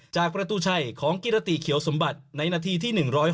จากประตูชัยของกิรติเขียวสมบัติในนาทีที่๑๖